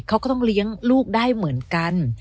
เขาก็ต้องเลี้ยงลูกได้เหมือนกัน